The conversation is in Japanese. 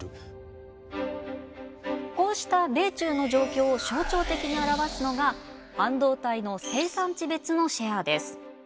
こうした米中の状況を象徴的に表すのが半導体の生産地別のシェアです。